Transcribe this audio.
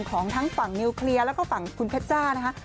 ของทั้งฝั่งนิวเคลียร์แล้วก็ฝั่งคุณเพชรจ้านะคะ